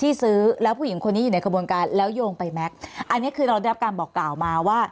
ที่ซื้อแล้วผู้หญิงคนนี้อยู่ในขบวนการแล้วโยงไปแก๊กอันนี้คือเราได้รับการบอกกล่าวมาว่า